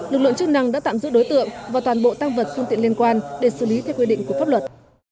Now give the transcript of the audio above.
lực lượng chức năng đã tạm giữ đối tượng và toàn bộ tăng vật phương tiện liên quan để xử lý theo quy định của pháp luật